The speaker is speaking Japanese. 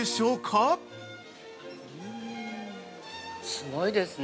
◆すごいですね。